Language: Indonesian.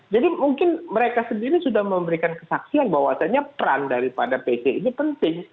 jadi mungkin mereka sendiri sudah memberikan kesaksian bahwa artinya peran daripada pece ini penting